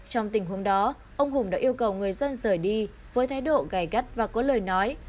trong tình huống đó ông hùng đã yêu cầu người dân rời đi với thái độ gai gắt và có lời nói